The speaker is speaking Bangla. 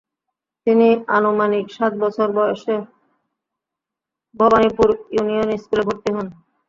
তিনি আনুমানিক সাত বছর বয়েসে ভবানীপুর ইউনিয়ন স্কুলে ভর্তি হন ।